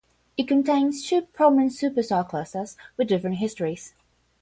It contains two prominent super star clusters with different histories.